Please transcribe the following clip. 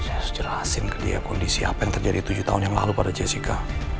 saya harus jelasin ke dia kondisi apa yang terjadi tujuh tahun yang lalu pada jessica